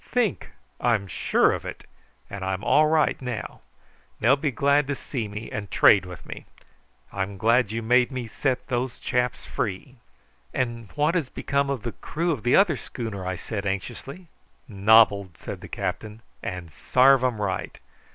"Think! I'm sure of it; and I'm all right now. They'll be glad to see me and trade with me. I'm glad you made me set those chaps free." "And what has become of the crew of the other schooner?" I said anxiously. "Nobbled," said the captain; "and sarve 'em right.